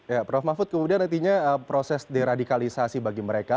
ya prof mahfud kemudian nantinya proses deradikalisasi bagi mereka